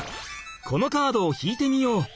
このカードを引いてみよう。